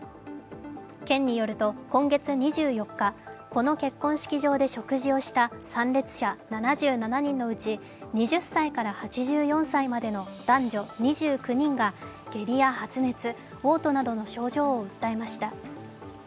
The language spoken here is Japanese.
県によると、今月２４日、この結婚式場で食事をした参列者７７人のうち、２０歳から８４歳までの男女２９人が下痢や発熱、おう吐などの症状を訴えました。